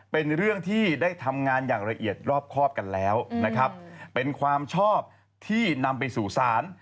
เป็นเรื่องที่ได้ทำงานอย่างละเอียดรอบครอบกันแล้วนะครับเป็นความชอบที่นำไปสู่ศาล